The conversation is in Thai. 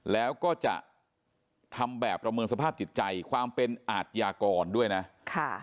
แล้วก็จะทำแบบประเมินสภาพจิตใจความเป็นอาทยากรด้วยนะค่ะ